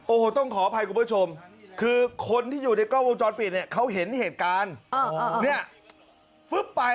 โอ้โหต้องขออภัยคุณผู้ชมคือคนที่อยู่ในกล้องวงจรปิดเนี่ยเขาเห็นเหตุการณ์เนี่ยฟึ๊บไป